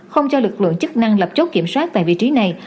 không cho lực lượng chức năng lập chốt kiểm soát tại vị trí này